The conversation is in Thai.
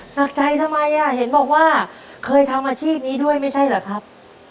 หนักใจทำไมอ่ะเห็นบอกว่าเคยทำอาชีพนี้ด้วยไม่ใช่เหรอครับ